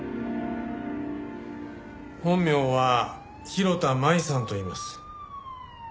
本名は広田舞さんといいます。